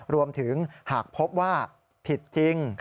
รวมถึงหากพบว่าผิดจริง